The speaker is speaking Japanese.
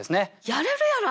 やれるやろ？